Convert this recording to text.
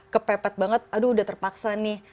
kepepet banget aduh udah terpaksa nih